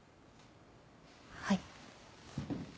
はい。